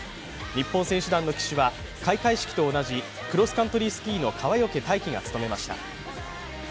日本選手団の旗手は開会式と同じクロスカントリースキーの川除大輝が務めました。